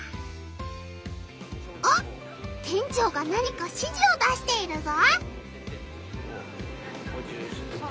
あっ店長が何かしじを出しているぞ！